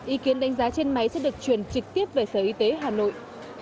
ý kiến đánh giá trên máy sẽ được truyền trực tiếp về sở y tế hà nội